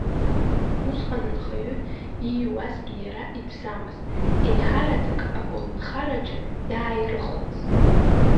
Усҟан анхаҩы ииуазгьы иара итәӡамызт, еиҳараӡак аколнхараҿы иааирыхуаз.